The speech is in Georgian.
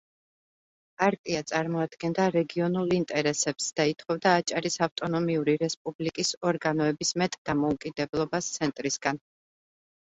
პარტია წარმოადგენდა რეგიონულ ინტერესებს და ითხოვდა აჭარის ავტონომიური რესპუბლიკის ორგანოების მეტ დამოუკიდებლობას ცენტრისგან.